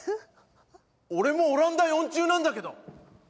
俺もオランダ４中なんだけど。